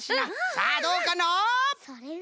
さあどうかのう？